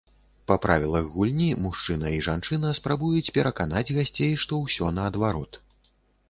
Па правілах гульні і мужчына, і жанчына спрабуюць пераканаць гасцей, што ўсё наадварот.